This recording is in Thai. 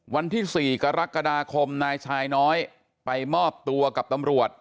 วันที่๔กรกฎาคมนายชายน้อยไปมอบตัวกับตำรวจ